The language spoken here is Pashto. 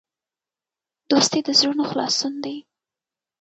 دوستي د زړونو خلاصون دی.